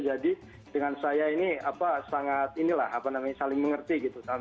jadi dengan saya ini sangat saling mengerti